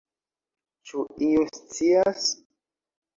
Ĉu iu scias?